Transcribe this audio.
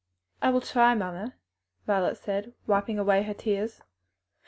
"I will, mamma," Violet said, wiping away her tears.